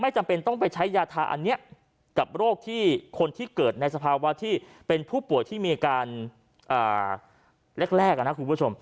ใช้ยาทาอันนี้กับโรคที่คนที่เกิดในสภาวะที่เป็นผู้ป่วยที่มีอาการแรกนะครับคุณผู้ชม